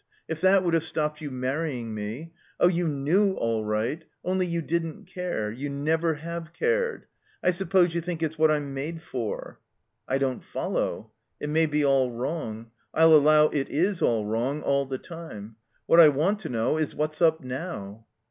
If that would have stopped you manying me. Oh, you knew all right; only you didn't care. You never have cared. I suppose you think it's what I'm made for." "I don't foUow. It may be all wrong. I'll allow it is all wrong, all the time. What I want to know is what's up now?"